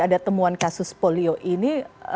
ada temuan kasus polio ini